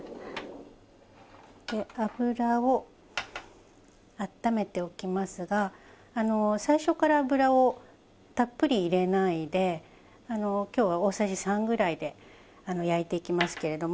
油を温めておきますが最初から油をたっぷり入れないで今日は大さじ３ぐらいで焼いていきますけれども。